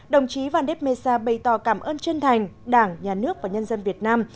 đồng chí vandep mesa bày tỏ cảm ơn chân thành đảng nhà nước và nhân dân việt nam